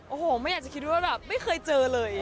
โอ้โหไม่อยากจะคิดว่าแบบไม่เคยเจอเลย